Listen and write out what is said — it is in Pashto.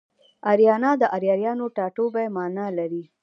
اریانا د اریایانو ټاټوبی مانا لري